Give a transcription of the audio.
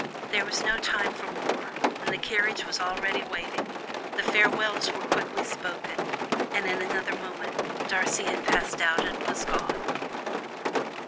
There was no time for more, and the carriage was already waiting; the farewells were quickly spoken, and in another moment Darcy had passed out and was gone.